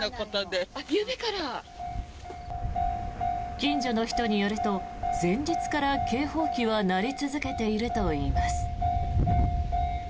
近所の人によると前日から警報機は鳴り続けているといいます。